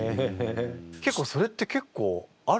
結構それって結構あるかも。